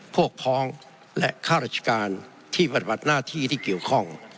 พ้องและข้าราชการที่ปฏิบัติหน้าที่ที่เกี่ยวข้อง